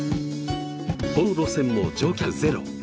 この路線も乗客ゼロ。